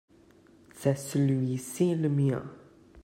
c'est celui-ci le mien.